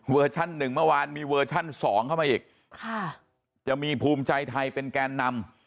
เวอร์ชัน๑เมื่อวานมีเวอร์ชัน๒เข้ามาอีกจะมีภูมิใจไทยเป็นแก้นนำ